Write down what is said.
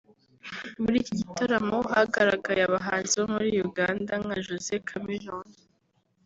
muri iki gitaramo hagaragaye abahanzi bo muri Uganda nka Jose Chameleone